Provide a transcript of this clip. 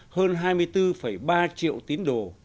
hơn hai mươi bốn ba triệu tín đồ